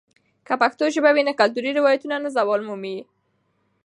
که پښتو ژبه وي، نو کلتوري روایتونه نه زوال مومي.